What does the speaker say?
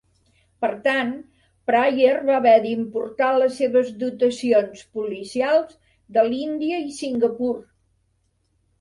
Per tant, Pryer va haver d'importar les seves dotacions policials de l'Índia i Singapur.